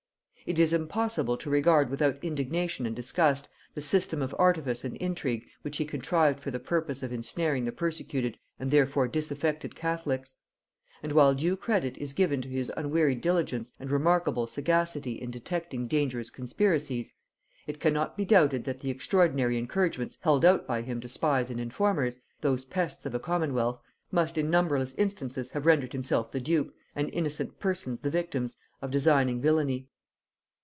It is impossible to regard without indignation and disgust the system of artifice and intrigue which he contrived for the purpose of insnaring the persecuted and therefore disaffected catholics; and while due credit is given to his unwearied diligence and remarkable sagacity in detecting dangerous conspiracies, it cannot be doubted that the extraordinary encouragements held out by him to spies and informers, those pests of a commonwealth, must in numberless instances have rendered himself the dupe, and innocent persons the victims, of designing villany.